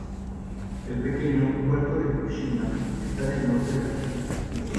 El pequeño puerto de Kuro-shima está en el norte de la isla.